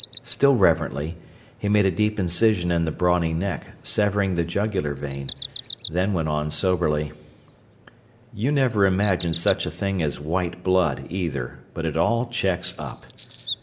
Still reverently, he made a deep incision in the brawny neck, severing the jugular vein, then went on, soberly: "You never imagined such a thing as white blood, either, but it all checks up.